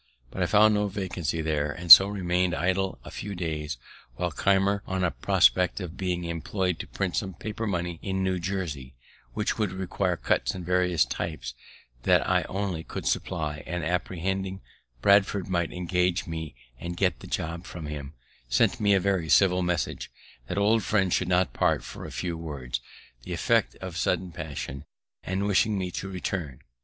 But I found no vacancy there, and so remained idle a few days, when Keimer, on a prospect of being employ'd to print some paper money in New Jersey, which would require cuts and various types that I only could supply, and apprehending Bradford might engage me and get the jobb from him, sent me a very civil message, that old friends should not part for a few words, the effect of sudden passion, and wishing me to return.